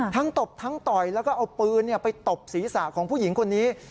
ตบทั้งต่อยแล้วก็เอาปืนไปตบศีรษะของผู้หญิงคนนี้